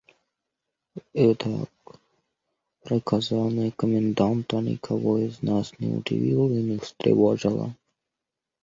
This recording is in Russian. Итак, приказание коменданта никого из нас не удивило и не встревожило.